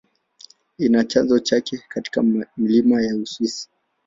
Ina chanzo chake katika milima ya Uswisi.